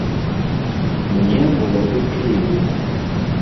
Мне было бы прыемна.